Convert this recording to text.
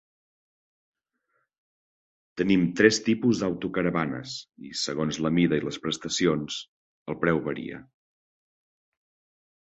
Tenim tres tipus d'autocaravanes i, segons la mida i les prestacions, el preu varia.